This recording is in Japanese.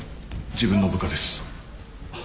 自分の部下です。